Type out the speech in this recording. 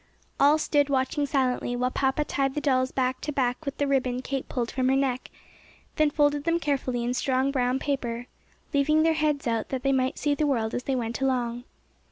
All stood watching silently while papa tied the dolls back to back with the ribbon Kate pulled from her neck, then folded them carefully in strong brown paper, leaving their heads out that they might see the world as they went along.